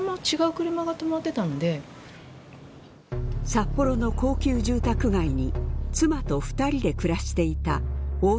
札幌の高級住宅街に妻と２人で暮らしていた太田代表。